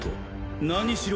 何しろ